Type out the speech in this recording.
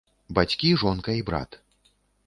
Бацькі, жонка і брат.